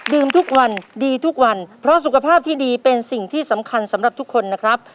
ทุกวันดีทุกวันเพราะสุขภาพที่ดีเป็นสิ่งที่สำคัญสำหรับทุกคนนะครับ